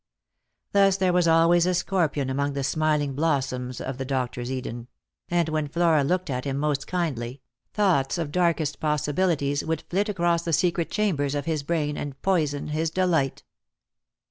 Thus there was always a scorpion among the smiling blos soms of the doctor's Eden; and when Flora looked at him most kindly, thoughts of darkest possibilities would flit across the secret chambers of his brain and poison his delight.